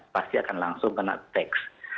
pasti akan langsung kena teks